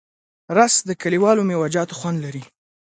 رس د کلیوالو میوهجاتو خوند لري